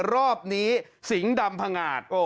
รอบนี้สิงห์ดำผงาด